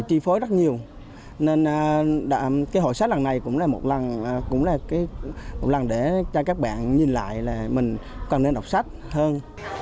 trì phối rất nhiều nên cái hội sách lần này cũng là một lần để cho các bạn nhìn lại là mình còn nên đọc sách hơn